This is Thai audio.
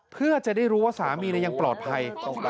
เพื่อจะได้รู้ว่าสามียังปลอดภัย